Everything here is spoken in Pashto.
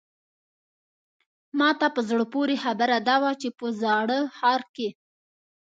ماته په زړه پورې خبره دا وه چې په زاړه ښار کې.